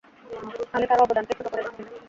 আমি কারও অবদানকেই ছোট করে দেখছি না।